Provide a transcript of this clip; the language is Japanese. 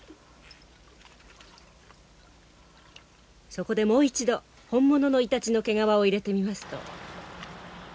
そこでもう一度本物のイタチの毛皮を入れてみますと。